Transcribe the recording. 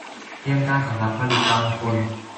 เตรียมการสำหรับผลิตกำลังคน